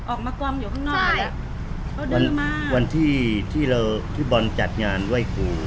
ออกมากองอยู่ข้างนอกวันที่ที่เราพี่บอลจัดงานไหว้ครู